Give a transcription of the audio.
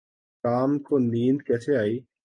Tom کو نیند کیسی ائی؟